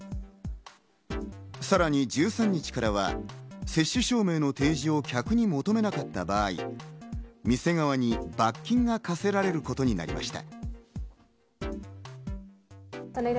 さらに１３日からは接種証明の提示を客に求めなかった場合、店側に罰金が科せられることになりました。